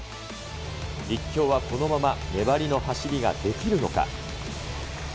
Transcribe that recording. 立教はこのまま粘りの走りができるのか。